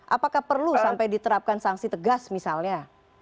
apakah perlu sampai diterapkan sanksi tegas misalnya